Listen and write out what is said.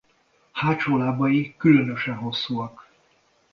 Hátsó lábai különösen hosszúak.